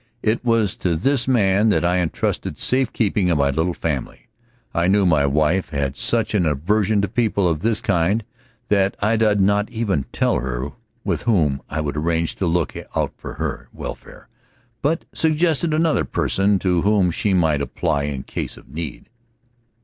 It was to this man that I entrusted the safe keeping of my little family. I knew my wife had such an aversion to people of his kind that I did not even tell her with whom I would arrange to look out for her welfare, but suggested another person to whom she might apply in case of need.